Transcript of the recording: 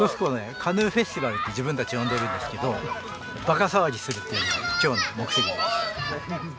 カヌーフェスティバルって自分たち呼んでるんですけどバカ騒ぎするっていうのが今日の目的です。